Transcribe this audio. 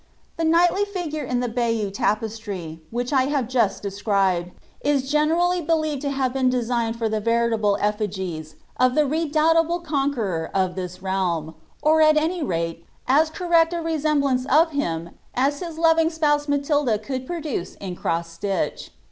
The knightly figure in the Bayeux tapestry, which I have just de scribed, is generally believed to have been designed for the veritable effigies of the redoubtable conqueror of this realm, or at any rate as correct a resemblance of liim as his loving spouse Matilda could produce in cross stitch.